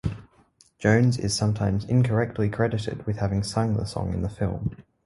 Jones is sometimes incorrectly credited with having sung the song in the film.